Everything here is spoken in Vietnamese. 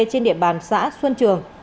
trên địa bàn xã xuân trường